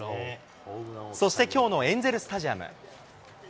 そしてきょうのエンゼルスタジアム。